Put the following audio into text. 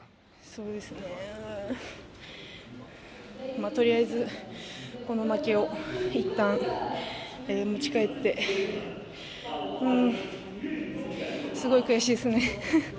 そうですね、とりあえずこの負けを一旦持ち帰ってすごい悔しいですね。